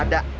sini di situ